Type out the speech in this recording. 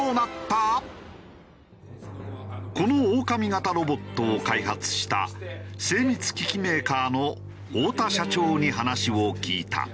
このオオカミ型ロボットを開発した精密機器メーカーの太田社長に話を聞いた。